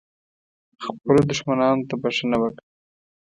خپلو دښمنانو ته بښنه وکړه .